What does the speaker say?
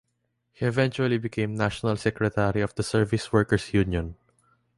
He eventually became National Secretary of the Service Workers' Union.